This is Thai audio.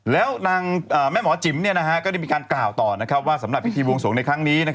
แล้วแม่หมอจิ๋มก็ได้กล่าวต่อนะครับว่าสำหรับพิธีวงศวงในครั้งนี้